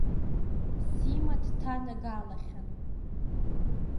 Сима дҭанагалахьан.